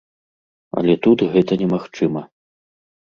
Але тут гэта немагчыма.